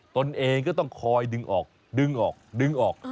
ตนเองก็ต้องคอยดึงออกดึงออกดึงออก